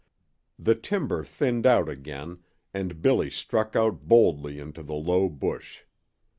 The timber thinned out again, and Billy struck out boldly into the low bush.